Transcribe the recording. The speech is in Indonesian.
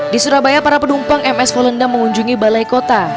di surabaya para penumpang ms volenda mengunjungi balai kota